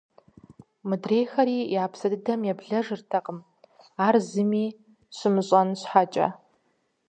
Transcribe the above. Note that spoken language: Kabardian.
Мыдрейхэри я псэ дыдэм еблэжыртэкъым, ар зыми щымыщӀэн щхьэкӀэ.